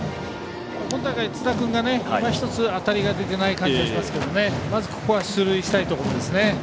今大会、津田君がいまひとつ当たりが出ていない感じですがまずここは出塁したいところです。